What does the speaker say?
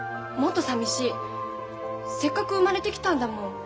せっかく生まれてきたんだもん